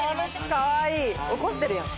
かわいい。起こしてるやん。